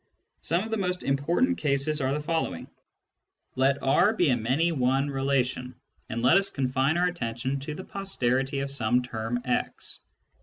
Some of the most important cases are the following : Let R be a many one relation, and let us confine our attention to the posterity of some term x.